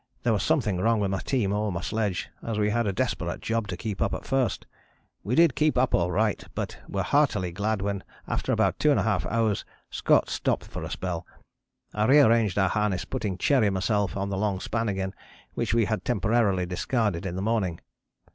There was something wrong with my team or my sledge, as we had a desperate job to keep up at first. We did keep up all right, but were heartily glad when after about 2½ hours Scott stopped for a spell. I rearranged our harness, putting Cherry and myself on the long span again, which we had temporarily discarded in the morning.